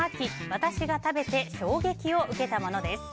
私が食べて衝撃を受けたものです。